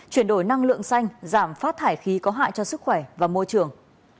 chuyển đổi năng lượng xanh giảm phát thải khí có hại cho sức khỏe và môi trường